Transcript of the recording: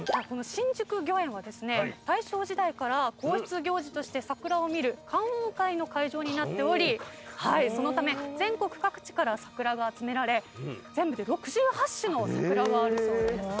この新宿御苑はですね大正時代から皇室行事として桜を見る観桜会の会場になっておりそのため全国各地から桜が集められ全部で６８種の桜があるそうです。